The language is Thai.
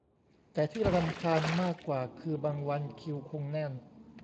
แต่ที่รำคาญมากกว่าคือบางวันคิวคงแน่น